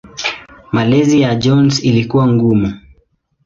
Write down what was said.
Malezi ya Jones ilikuwa ngumu.